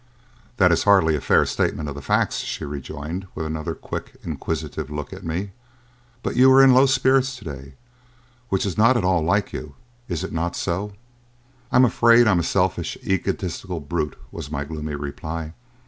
"That is hardly a fair statement of the facts," she rejoined, with another quick, inquisitive look at me; "but you are in low spirits to day which is not at all like you. Is it not so?" "I am afraid I am a selfish, egotistical brute," was my gloomy reply.